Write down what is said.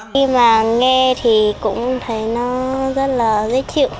khi mà nghe thì cũng thấy nó rất là dễ chịu